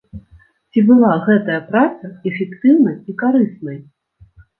Ці была гэтая праца эфектыўнай і карыснай?